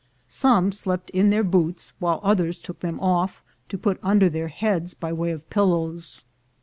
Some slept in their boots, while others took them o£F, to put under their heads by way of pillows.